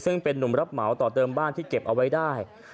ซึ่งเป็นนุ่มรับเหมาต่อเติมบ้านที่เก็บเอาไว้ได้